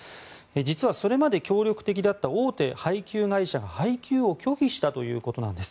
実は、それまで協力的だった大手配給会社が配給を拒否したということなんです。